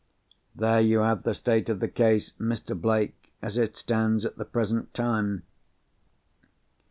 There you have the state of the case, Mr. Blake, as it stands at the present time."